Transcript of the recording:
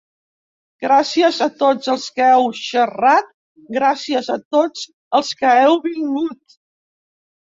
Gràcies a tots els que heu xerrat, gràcies a tots els que heu vingut.